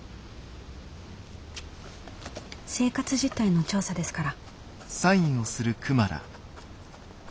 生活実態の調査ですから。